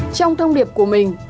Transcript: trong thông điệp của mình